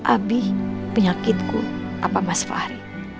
abi penyakitku apa mas fahri